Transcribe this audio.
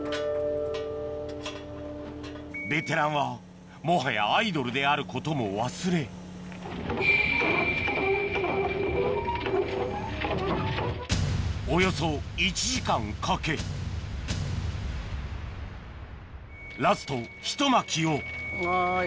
ベテランはもはやアイドルであることも忘れおよそ１時間かけラストひと巻きをはい。